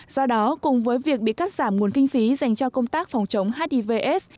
do đó cùng với việc bị cắt giảm nguồn kinh phí dành cho công tác phòng chống hiv aids